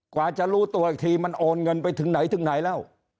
กว่าจะรู้ตัวอีกทีมันโอนเงินไปถึงไหนถึงไหนแล้ว